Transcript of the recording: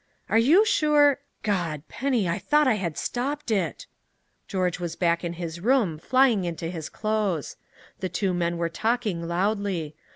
"Are you sure " "God Penny I thought I had stopped it!" George was back in his room, flying into his clothes. The two men were talking loudly.